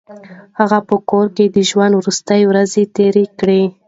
هغه په کور کې د ژوند وروستۍ ورځې تېرې کړې.